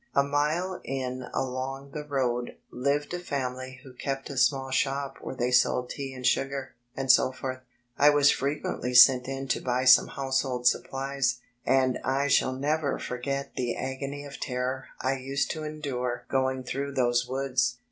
A mile in along the road lived a family who kept a small shop where they sold tea and sugar, etc. I was frequently sent in to buy some household supplies, and I shall never forget the agony of terror I used to endure going through those woods.